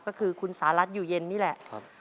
ก็คือคุณสหรัฐอยู่เย็นนี่แหละ